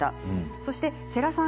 そして、世良さん